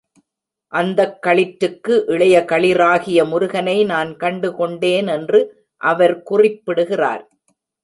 அந்தக் களிற்றுக்கு இளைய களிறாகிய முருகனை நான் கண்டு கொண்டேன் என்று அவர் குறிப்பிடுகிறார்.